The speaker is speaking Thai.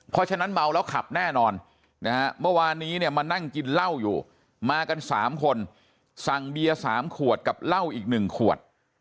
เพราะฉะนั้นเมาแล้วขับแน่นอนนะฮะเมื่อวานนี้เนี่ยมานั่งกินเหล้าอยู่มากัน๓คนสั่งเบียร์๓ขวดกับเหล้าอีก๑ขวด